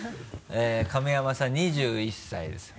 亀山さん２１歳ですよ。